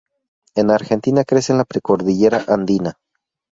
En Argentina crece en la precordillera andina.